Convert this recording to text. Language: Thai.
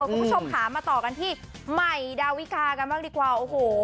แล้วคุณผู้ชมคำมาต่อกันที่ใหม่ดาวิกากันมากลิกว่าโอ้โห